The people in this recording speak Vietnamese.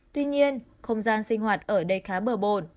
tuy nhiên không gian sinh hoạt ở đây khá bờ bồn